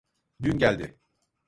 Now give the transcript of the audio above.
Dün geldi.